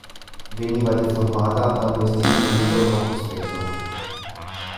Veniva deformata da un vestitino nero troppo stretto.